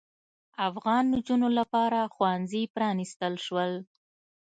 افغان نجونو لپاره ښوونځي پرانیستل شول.